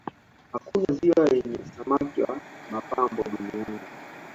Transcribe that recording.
hakuna ziwa lenye samaki wa mapambo duniani